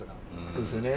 そうですよね。